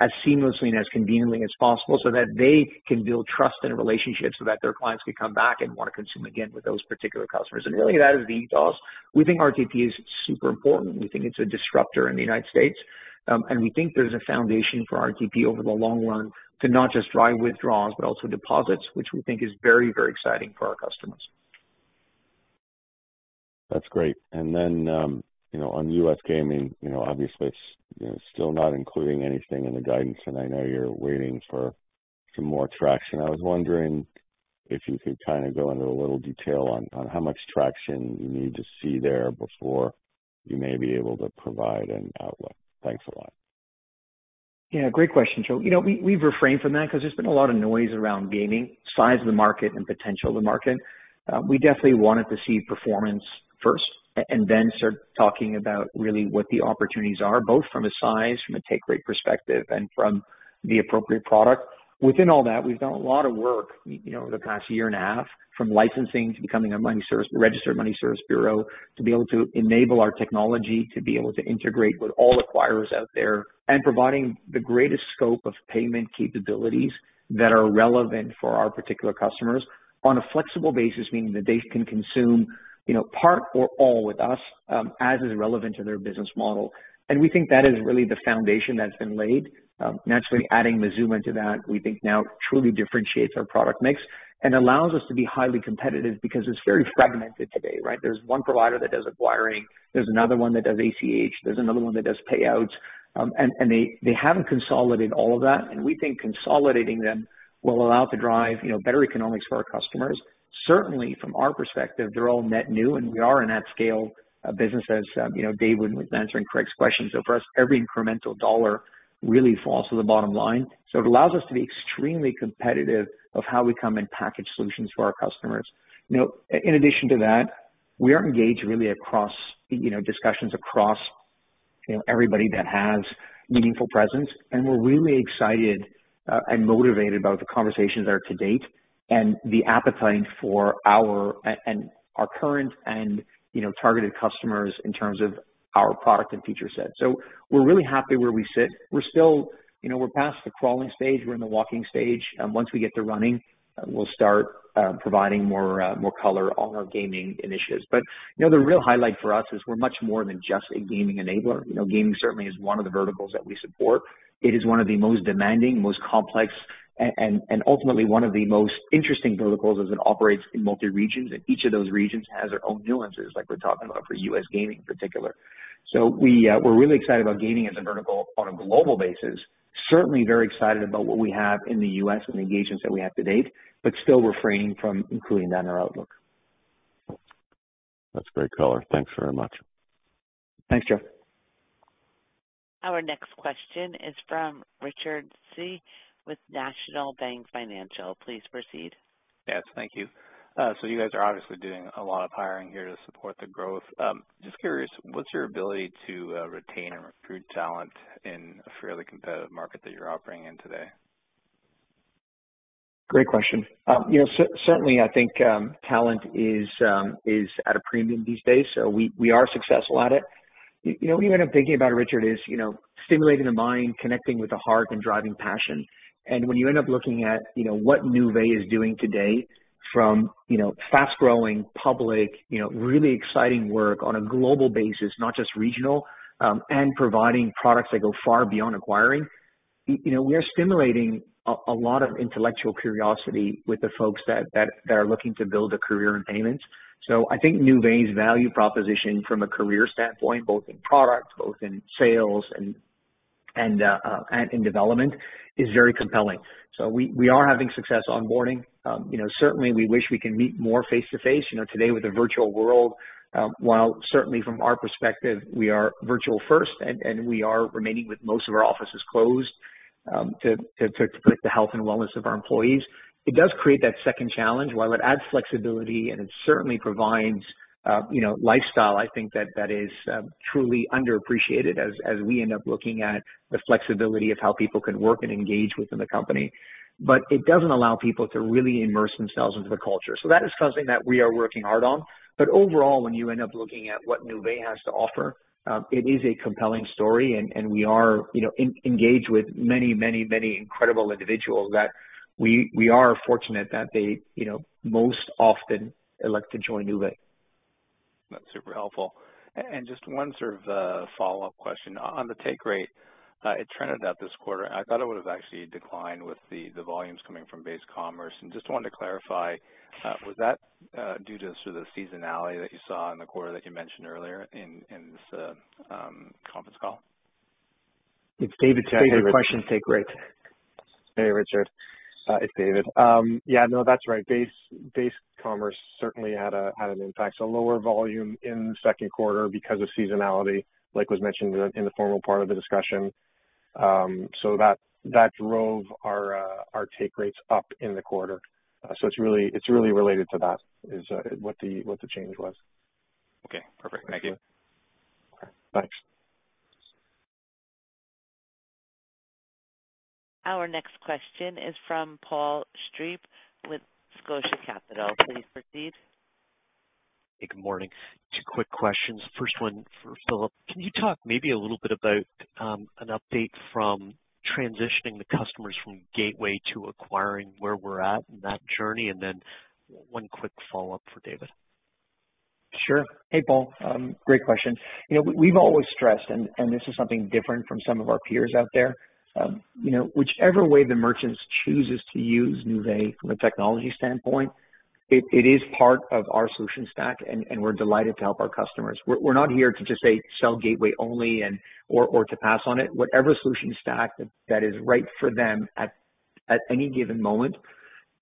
Speaker 3: as seamlessly and as conveniently as possible so that they can build trust and relationships so that their clients can come back and want to consume again with those particular customers. Really that is the ethos. We think RTP is super important. We think it's a disruptor in the U.S. We think there's a foundation for RTP over the long run to not just drive withdrawals, but also deposits, which we think is very exciting for our customers.
Speaker 11: That's great. On U.S. gaming, obviously it's still not including anything in the guidance, and I know you're waiting for some more traction. I was wondering if you could go into a little detail on how much traction you need to see there before you may be able to provide an outlook. Thanks a lot.
Speaker 3: Yeah. Great question, Joe. We've refrained from that because there's been a lot of noise around gaming, size of the market and potential of the market. We definitely wanted to see performance first and then start talking about really what the opportunities are, both from a size, from a take rate perspective, and from the appropriate product. Within all that, we've done a lot of work over the past year and a half from licensing to becoming a registered money services business to be able to enable our technology to be able to integrate with all acquirers out there and providing the greatest scope of payment capabilities that are relevant for our particular customers on a flexible basis, meaning that they can consume part or all with us as is relevant to their business model. We think that is really the foundation that's been laid. Naturally, adding Mazooma into that, we think now truly differentiates our product mix and allows us to be highly competitive because it's very fragmented today, right? There's one provider that does acquiring, there's another one that does ACH, there's another one that does payouts. They haven't consolidated all of that, and we think consolidating them will allow to drive better economics for our customers. Certainly from our perspective, they're all net new and we are a net scale business as David was answering Craig's question. For us, every incremental dollar really falls to the bottom line. It allows us to be extremely competitive of how we come and package solutions for our customers. In addition to that, we are engaged really across discussions across everybody that has meaningful presence, we're really excited and motivated about the conversations that are to date and the appetite for our current and targeted customers in terms of our product and feature set. We're really happy where we sit. We're past the crawling stage, we're in the walking stage. Once we get to running, we'll start providing more color on our gaming initiatives. The real highlight for us is we're much more than just a gaming enabler. Gaming certainly is one of the verticals that we support. It is one of the most demanding, most complex, and ultimately one of the most interesting verticals as it operates in multi-regions, and each of those regions has their own nuances, like we're talking about for US gaming in particular. We're really excited about gaming as a vertical on a global basis. Certainly very excited about what we have in the U.S. and the engagements that we have to date, but still refraining from including that in our outlook.
Speaker 11: That's great color. Thanks very much.
Speaker 3: Thanks, Joseph.
Speaker 1: Our next question is from Richard Tse with National Bank Financial. Please proceed.
Speaker 12: Yes. Thank you. You guys are obviously doing a lot of hiring here to support the growth. Just curious, what's your ability to retain and recruit talent in a fairly competitive market that you're operating in today?
Speaker 3: Great question. Certainly, I think talent is at a premium these days, so we are successful at it. What I'm thinking about, Richard, is stimulating the mind, connecting with the heart and driving passion. When you end up looking at what Nuvei is doing today from fast-growing public, really exciting work on a global basis, not just regional, and providing products that go far beyond acquiring, we are stimulating a lot of intellectual curiosity with the folks that are looking to build a career in payments. I think Nuvei's value proposition from a career standpoint, both in product, both in sales and in development, is very compelling. Certainly we wish we can meet more face-to-face. Today with the virtual world, while certainly from our perspective, we are virtual first and we are remaining with most of our offices closed to protect the health and wellness of our employees. It does create that second challenge. While it adds flexibility and it certainly provides lifestyle, I think that is truly underappreciated as we end up looking at the flexibility of how people can work and engage within the company. It doesn't allow people to really immerse themselves into the culture. That is something that we are working hard on. Overall, when you end up looking at what Nuvei has to offer, it is a compelling story, and we are engaged with many incredible individuals that we are fortunate that they most often elect to join Nuvei.
Speaker 12: That's super helpful. Just one sort of follow-up question. On the take rate, it trended up this quarter, and I thought it would've actually declined with the volumes coming from Base Commerce. Just wanted to clarify, was that due to sort of seasonality that you saw in the quarter that you mentioned earlier in this conference call?
Speaker 3: It's David's question, take rate.
Speaker 4: Hey, Richard. It's David. Yeah, no, that's right. Base Commerce certainly had an impact. Lower volume in the second quarter because of seasonality, like was mentioned in the formal part of the discussion. That drove our take rates up in the quarter. It's really related to that, is what the change was.
Speaker 12: Okay, perfect. Thank you.
Speaker 4: Okay, thanks.
Speaker 1: Our next question is from Paul Steep with Scotia Capital. Please proceed.
Speaker 13: Hey, good morning. Two quick questions. First one for Philip. Can you talk maybe a little bit about an update from transitioning the customers from Gateway to acquiring, where we're at in that journey? One quick follow-up for David.
Speaker 3: Sure. Hey, Paul. Great question. We've always stressed, and this is something different from some of our peers out there, whichever way the merchants chooses to use Nuvei from a technology standpoint, it is part of our solution stack, and we're delighted to help our customers. We're not here to just say sell Gateway only or to pass on it. Whatever solution stack that is right for them at any given moment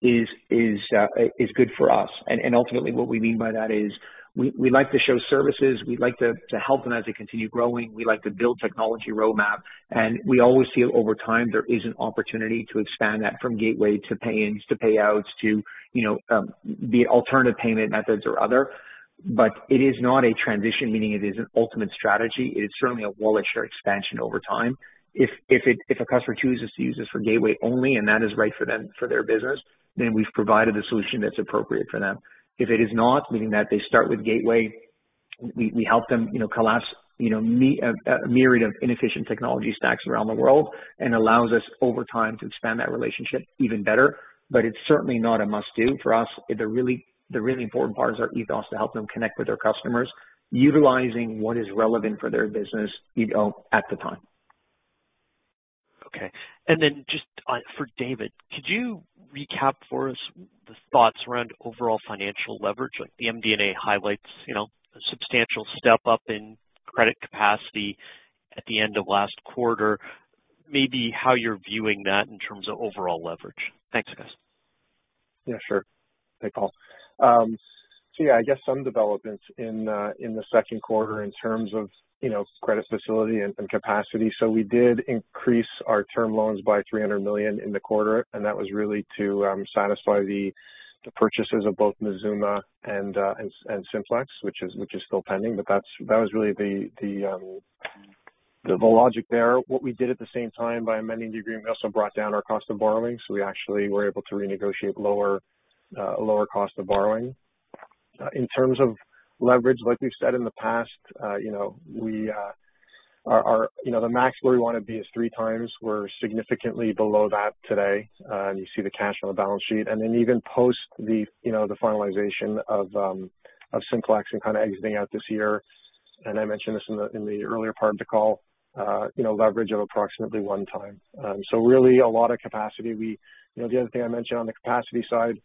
Speaker 3: is good for us. Ultimately, what we mean by that is we like to show services. We like to help them as they continue growing. We like to build technology roadmap. We always feel over time there is an opportunity to expand that from gateway to pay-ins, to payouts, to the alternative payment methods or other. It is not a transition, meaning it is an ultimate strategy. It is certainly a wallet share expansion over time. If a customer chooses to use us for gateway only and that is right for their business, then we've provided a solution that's appropriate for them. If it is not, meaning that they start with gateway, we help them collapse a myriad of inefficient technology stacks around the world and allows us over time to expand that relationship even better. It's certainly not a must-do for us. The really important part is our ethos to help them connect with their customers, utilizing what is relevant for their business at the time.
Speaker 13: Okay. Just for David, could you recap for us the thoughts around overall financial leverage, like the MD&A highlights, a substantial step up in credit capacity at the end of last quarter, maybe how you're viewing that in terms of overall leverage? Thanks, guys.
Speaker 4: Yeah, sure. Hey, Paul. I guess some developments in the second quarter in terms of credit facility and capacity. We did increase our term loans by 300 million in the quarter, and that was really to satisfy the purchases of both Mazooma and Simplex, which is still pending. That was really the logic there. What we did at the same time, by a many degree, we also brought down our cost of borrowing. We actually were able to renegotiate lower cost of borrowing. In terms of leverage, like we've said in the past, the max where we want to be is 3x. We're significantly below that today. You see the cash on the balance sheet. Even post the finalization of Simplex and kind of exiting out this year, I mentioned this in the earlier part of the call, leverage of approximately one time. Really a lot of capacity. The other thing I mentioned on the capacity side,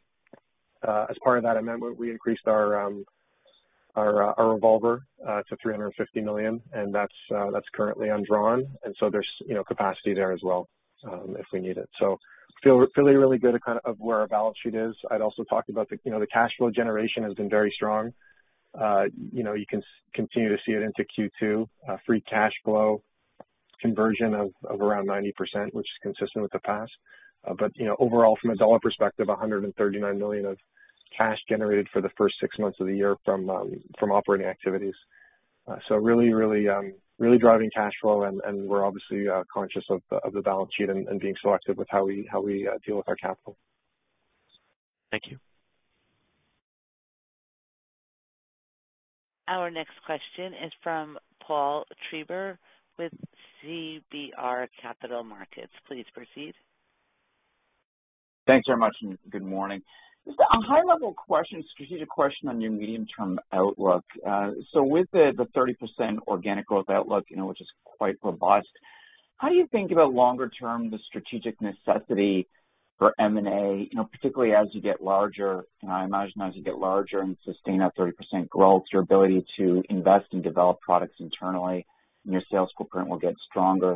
Speaker 4: as part of that amendment, we increased our revolver to 350 million. That's currently undrawn. There's capacity there as well if we need it. Feel really, really good of where our balance sheet is. I'd also talked about the cash flow generation has been very strong. You can continue to see it into Q2. Free cash flow conversion of around 90%, which is consistent with the past. Overall, from a dollar perspective, 139 million of cash generated for the first six months of the year from operating activities. Really driving cash flow and we're obviously conscious of the balance sheet and being selective with how we deal with our capital.
Speaker 13: Thank you.
Speaker 1: Our next question is from Paul Treiber with RBC Capital Markets. Please proceed.
Speaker 14: Thanks very much. Good morning. Just a high-level question, strategic question on your medium-term outlook. With the 30% organic growth outlook which is quite robust, how do you think about longer term, the strategic necessity for M&A, particularly as you get larger? I imagine as you get larger and sustain that 30% growth, your ability to invest and develop products internally and your sales footprint will get stronger.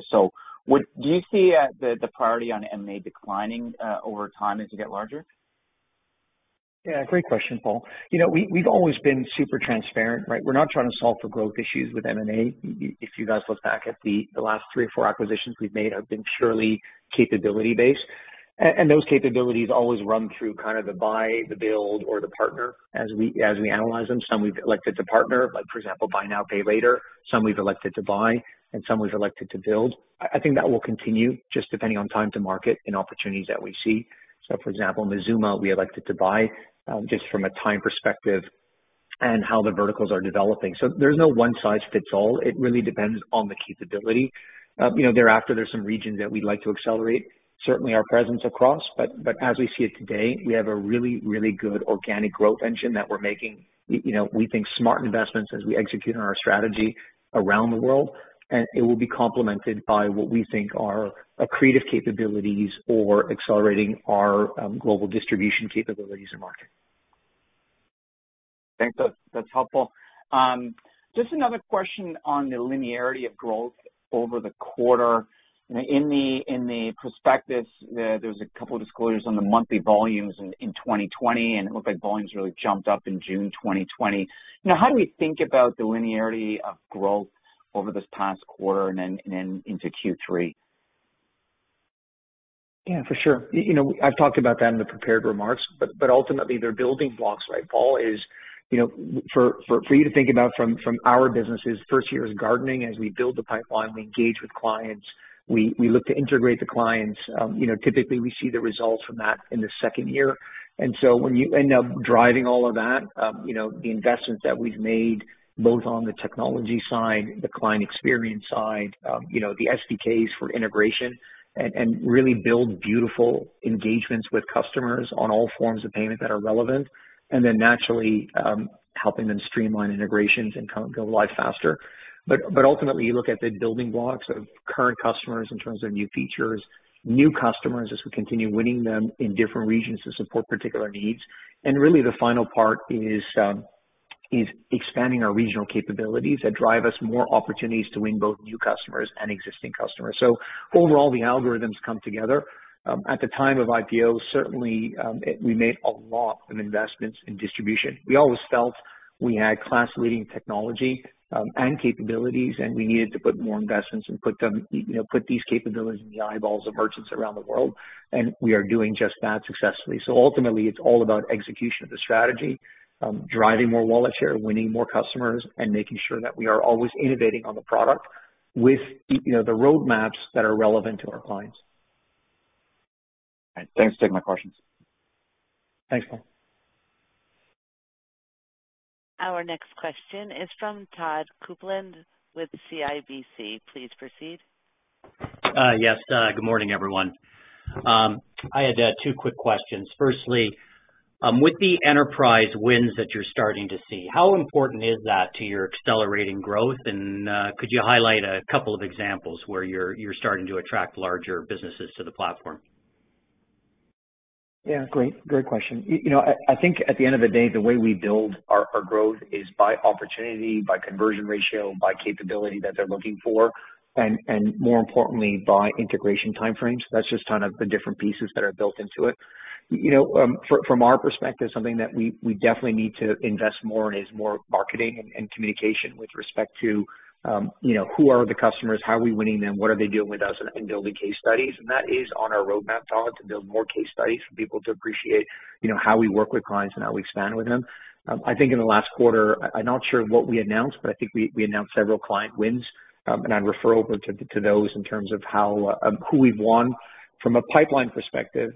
Speaker 14: Do you see the priority on M&A declining over time as you get larger?
Speaker 3: Yeah, great question, Paul. We've always been super transparent, right? We're not trying to solve for growth issues with M&A. If you guys look back at the last three or four acquisitions we've made have been purely capability-based, and those capabilities always run through kind of the buy, the build, or the partner as we analyze them. Some we've elected to partner, like for example, buy now, pay later. Some we've elected to buy, and some we've elected to build. I think that will continue just depending on time to market and opportunities that we see. For example, Mazooma, we elected to buy just from a time perspective and how the verticals are developing. There's no one-size-fits-all. It really depends on the capability. Thereafter, there's some regions that we'd like to accelerate certainly our presence across, but as we see it today, we have a really good organic growth engine that we're making, we think smart investments as we execute on our strategy around the world, and it will be complemented by what we think are accretive capabilities or accelerating our global distribution capabilities in market.
Speaker 14: Thanks. That's helpful. Just another question on the linearity of growth over the quarter. In the prospectus, there was a couple disclosures on the monthly volumes in 2020, and it looked like volumes really jumped up in June 2020. Now, how do we think about the linearity of growth over this past quarter and then into Q3?
Speaker 3: Yeah, for sure. I've talked about that in the prepared remarks, but ultimately, their building blocks, right, Paul, is for you to think about from our businesses, the first year is gardening. As we build the pipeline, we engage with clients, we look to integrate the clients. Typically, we see the results from that in the second year. When you end up driving all of that, the investments that we've made both on the technology side, the client experience side, the SDKs for integration, and really build beautiful engagements with customers on all forms of payment that are relevant, and then naturally, helping them streamline integrations and go live faster. Ultimately, you look at the building blocks of current customers in terms of new features, new customers as we continue winning them in different regions to support particular needs. Really the final part is expanding our regional capabilities that drive us more opportunities to win both new customers and existing customers. Overall, the algorithms come together. At the time of IPO, certainly, we made a lot of investments in distribution. We always felt we had class-leading technology and capabilities, and we needed to put more investments and put these capabilities in the eyeballs of merchants around the world, and we are doing just that successfully. Ultimately, it's all about execution of the strategy, driving more wallet share, winning more customers, and making sure that we are always innovating on the product with the roadmaps that are relevant to our clients.
Speaker 14: Thanks. Take my questions.
Speaker 3: Thanks, Paul.
Speaker 1: Our next question is from Todd Coupland with CIBC. Please proceed.
Speaker 15: Yes. Good morning, everyone. I had two quick questions. Firstly, with the enterprise wins that you're starting to see, how important is that to your accelerating growth? Could you highlight a couple of examples where you're starting to attract larger businesses to the platform?
Speaker 3: Yeah, great question. I think at the end of the day, the way we build our growth is by opportunity, by conversion ratio, by capability that they're looking for, and more importantly, by integration time frames. That's just kind of the different pieces that are built into it. From our perspective, something that we definitely need to invest more in is more marketing and communication with respect to who are the customers, how are we winning them, what are they doing with us, and building case studies. That is on our roadmap, Todd, to build more case studies for people to appreciate how we work with clients and how we expand with them. I think in the last quarter, I'm not sure what we announced, but I think we announced several client wins, and I'd refer over to those in terms of who we've won. From a pipeline perspective,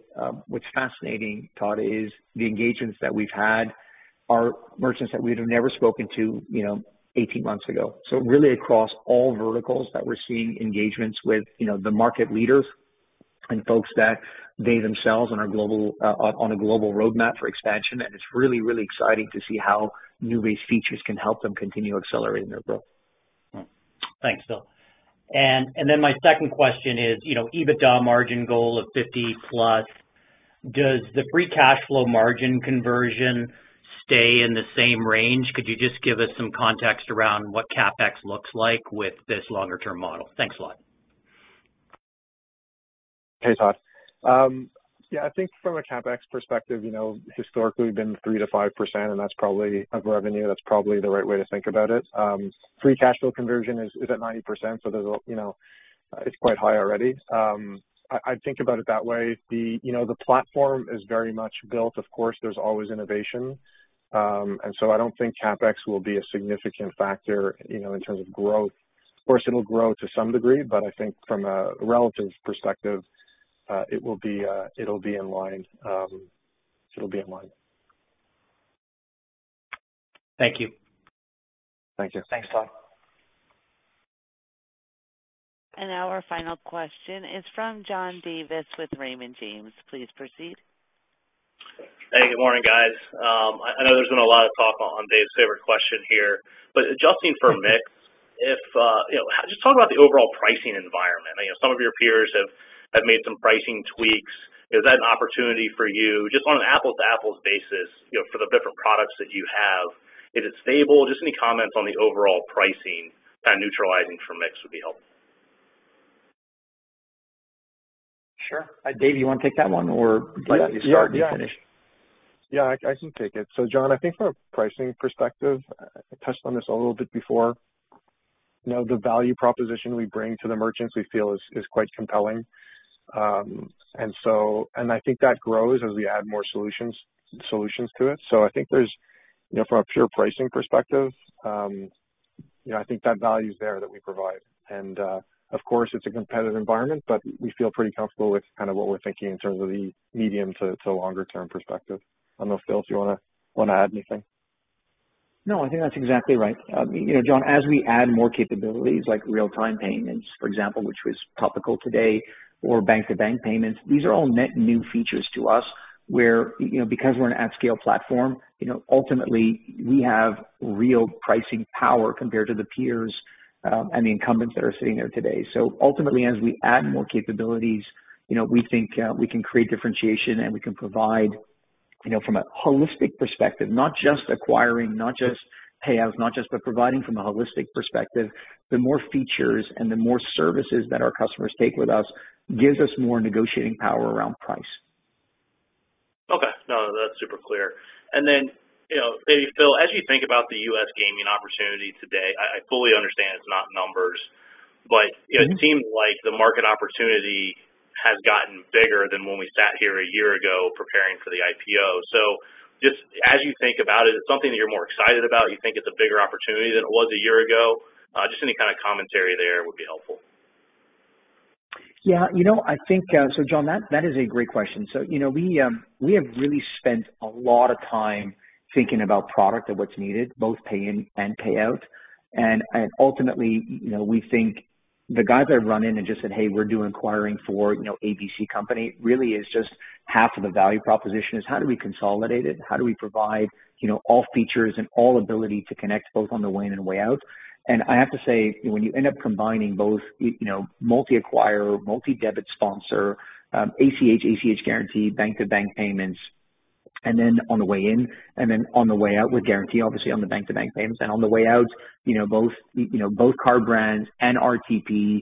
Speaker 3: what's fascinating, Todd, is the engagements that we've had are merchants that we'd have never spoken to 18 months ago. Really across all verticals that we're seeing engagements with the market leaders and folks that they themselves are on a global roadmap for expansion, and it's really exciting to see how Nuvei features can help them continue accelerating their growth.
Speaker 15: Thanks, Phil. My second question is, EBITDA margin goal of 50%+, does the free cash flow margin conversion stay in the same range? Could you just give us some context around what CapEx looks like with this longer-term model? Thanks a lot.
Speaker 4: Hey, Todd. Yeah, I think from a CapEx perspective, historically been 3%-5%, and that's probably of revenue. That's probably the right way to think about it. Free cash flow conversion is at 90%. It's quite high already. I think about it that way. The platform is very much built. There's always innovation. I don't think CapEx will be a significant factor in terms of growth. It'll grow to some degree, but I think from a relative perspective, it'll be in line.
Speaker 15: Thank you.
Speaker 4: Thank you.
Speaker 3: Thanks, Todd.
Speaker 1: Our final question is from John Davis with Raymond James. Please proceed.
Speaker 16: Hey, good morning, guys. I know there's been a lot of talk on Dave Saver's question here, but adjusting for mix, just talk about the overall pricing environment. Some of your peers have made some pricing tweaks. Is that an opportunity for you just on an apples-to-apples basis for the different products that you have? Is it stable? Just any comments on the overall pricing, kind of neutralizing for mix would be helpful.
Speaker 3: Sure. Dave, you want to take that one or do you want me to start and finish?
Speaker 4: Yeah, I can take it. John, I think from a pricing perspective, I touched on this a little bit before, the value proposition we bring to the merchants we feel is quite compelling. I think that grows as we add more solutions to it. I think from a pure pricing perspective, I think that value is there that we provide. Of course, it's a competitive environment, but we feel pretty comfortable with kind of what we're thinking in terms of the medium to longer term perspective. I don't know, Phil, do you want to add anything?
Speaker 3: I think that's exactly right, John. As we add more capabilities like real-time payments, for example, which was topical today, or bank-to-bank payments, these are all net new features to us where, because we're an at-scale platform, ultimately we have real pricing power compared to the peers and the incumbents that are sitting there today. Ultimately, as we add more capabilities, we think we can create differentiation and we can provide from a holistic perspective, not just acquiring, not just payouts, but providing from a holistic perspective, the more features and the more services that our customers take with us gives us more negotiating power around price.
Speaker 16: Okay. No, that's super clear. Dave, Phil, as you think about the U.S. gaming opportunity today, I fully understand it's not numbers, but it seems like the market opportunity has gotten bigger than when we sat here a year ago preparing for the IPO. Just as you think about it, is it something that you're more excited about? You think it's a bigger opportunity than it was a year ago? Just any kind of commentary there would be helpful.
Speaker 3: Yeah. John, that is a great question. We have really spent a lot of time thinking about product and what's needed, both pay-in and payout. Ultimately, we think the guys I run in and just said, "Hey, we're doing acquiring for ABC company," really is just half of the value proposition is how do we consolidate it? How do we provide all features and all ability to connect both on the way in and way out? I have to say, when you end up combining both multi-acquire, multi-debit sponsor, ACH guarantee, bank-to-bank payments, and then on the way in, and then on the way out with guarantee, obviously on the bank-to-bank payments and on the way out, both card brands and RTP,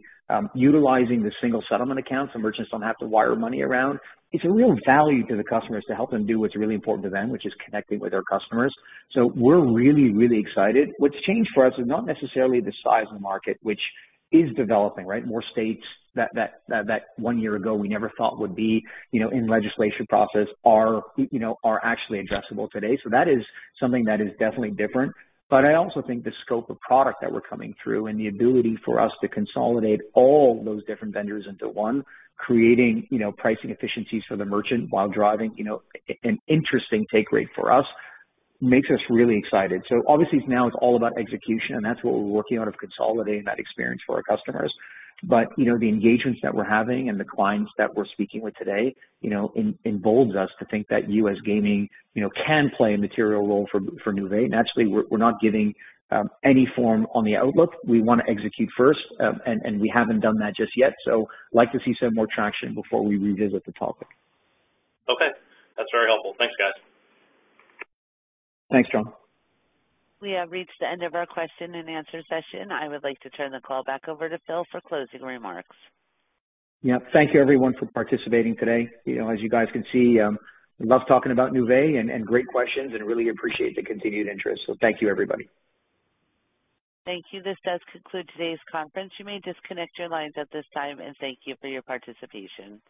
Speaker 3: utilizing the single settlement accounts so merchants don't have to wire money around, it's a real value to the customers to help them do what's really important to them, which is connecting with their customers. We're really excited. What's changed for us is not necessarily the size of the market, which is developing, right? More states that one year ago we never thought would be in legislation process are actually addressable today. That is something that is definitely different. I also think the scope of product that we're coming through and the ability for us to consolidate all those different vendors into one, creating pricing efficiencies for the merchant while driving an interesting take rate for us makes us really excited. Obviously now it's all about execution, and that's what we're working on of consolidating that experience for our customers. The engagements that we're having and the clients that we're speaking with today, emboldens us to think that US gaming can play a material role for Nuvei. Naturally, we're not giving any form on the outlook. We want to execute first, and we haven't done that just yet. We like to see some more traction before we revisit the topic.
Speaker 16: Okay. That's very helpful. Thanks, guys.
Speaker 3: Thanks, John.
Speaker 1: We have reached the end of our question and answer session. I would like to turn the call back over to Phil for closing remarks.
Speaker 3: Yep. Thank you everyone for participating today. As you guys can see, I love talking about Nuvei, and great questions, and really appreciate the continued interest. Thank you, everybody.
Speaker 1: Thank you. This does conclude today's conference. You may disconnect your lines at this time, and thank you for your participation.